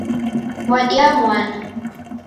W'adia mwana